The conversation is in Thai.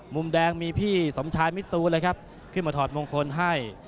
มุมแดงมีพี่สมชายมิซูเลยครับขึ้นมาถอดมงคลให้